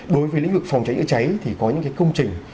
đối với lĩnh vực phòng cháy ứng cháy thì có những cái công trình